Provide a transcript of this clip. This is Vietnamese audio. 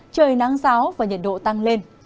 trời nắng giáo và nhiệt độ tăng lên